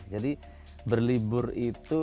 jadi berlibur itu